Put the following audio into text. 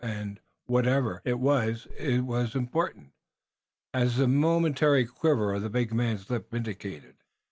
And whatever it was it was important, as the momentary quiver of the big man's lip indicated.